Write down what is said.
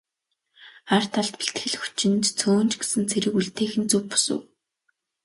Ар талд бэлтгэл хүчинд цөөн ч гэсэн цэрэг үлдээх нь зөв бус уу?